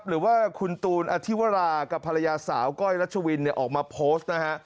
หรือว่าคุณตูนอธิวรากับภรรยาสาวก้อยรัชวินเนี่ยออกมาโพสต์นะฮะ